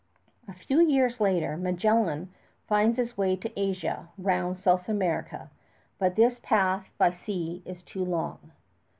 A few years later Magellan finds his way to Asia round South America; but this path by sea is too long.